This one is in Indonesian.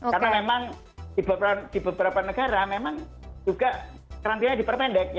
karena memang di beberapa negara memang juga krantinanya diperpendek ya